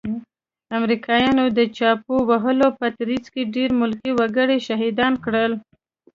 امريکايانو د چاپو وهلو په ترڅ کې ډير ملکي وګړي شهيدان کړل.